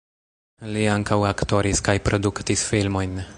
Li ankaŭ aktoris kaj produktis filmojn.